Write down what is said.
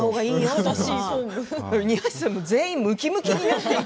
庭師さんが全員ムキムキになっていく。